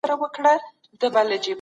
صنعتي سکتور څنګه د توزیع شبکې جوړوي؟